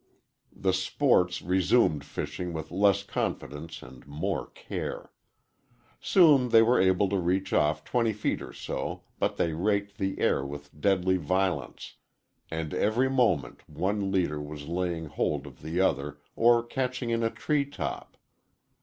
The "sports" resumed fishing with less confidence and more care. Soon they were able to reach off twenty feet or so, but they raked the air with deadly violence, and every moment one leader was laying hold of the other or catching in a tree top.